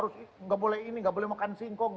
tidak boleh makan singkong